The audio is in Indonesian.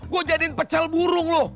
gua jadiin pecel burung lu